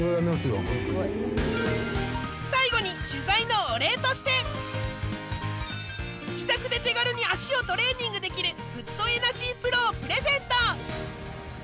最後に自宅で手軽に足をトレーニングできるフットエナジープロをプレゼント！